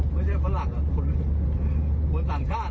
ไม่ใช่ฝรั่งล่ะคนอื่นผู้ต่างชาติ